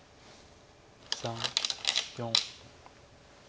３４。